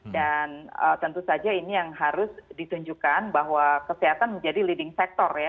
dan tentu saja ini yang harus ditunjukkan bahwa kesehatan menjadi leading sector ya